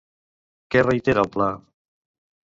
Què reitera el pla?